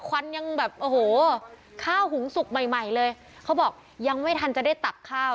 ควันยังแบบโอ้โหข้าวหุงสุกใหม่ใหม่เลยเขาบอกยังไม่ทันจะได้ตักข้าว